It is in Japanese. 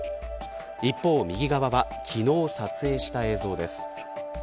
一方、右側は昨日撮影した映像です。